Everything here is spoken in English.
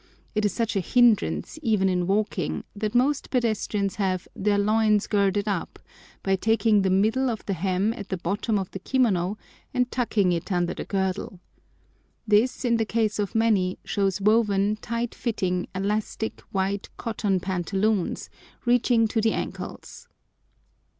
It is such a hindrance, even in walking, that most pedestrians have "their loins girded up" by taking the middle of the hem at the bottom of the kimono and tucking it under the girdle. This, in the case of many, shows woven, tight fitting, elastic, white cotton pantaloons, reaching to the ankles.